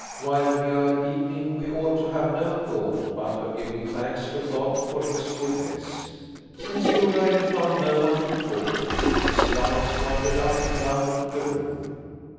While we are eating we ought to have no thought but of giving thanks to God for His goodness." Since Torarin found no one to talk to, his glance wandered up and down the room.